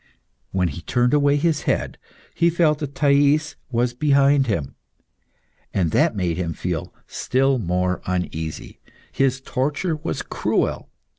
When he turned away his head, he felt that Thais was behind him, and that made him feel still more uneasy. His torture was cruel.